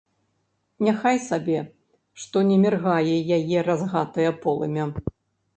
Няхай сабе, што не міргае яе разгатае полымя.